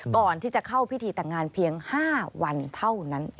ก่อนที่จะเข้าพิธีแต่งงานเพียง๕วันเท่านั้นเอง